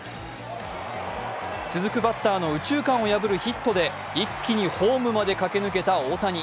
続くバッターの右中間を破るヒットで一気にホームまで駆け抜けた大谷。